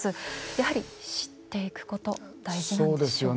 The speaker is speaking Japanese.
やはり知っていくこと大事なんでしょうか？